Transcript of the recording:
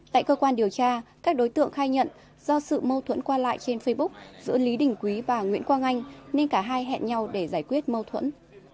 tại cơ quan điều tra các đối tượng khai nhận do sự mâu thuẫn qua lại trên facebook giữa lý đình quý và nguyễn quang anh nên cả hai hẹn nhau để giải quyết mâu thuẫn